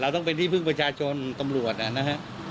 เราต้องเป็นที่ฟึกประชาชนตำรวจนะครับ